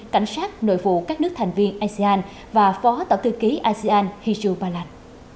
cảnh sát nội vụ các nước thành viên asean và phó tổ tư ký asean hezhu balan